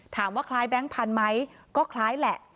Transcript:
คล้ายแบงค์พันธุ์ไหมก็คล้ายแหละ